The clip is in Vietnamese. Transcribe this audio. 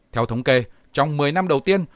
theo thống kê trong một mươi năm đầu tiên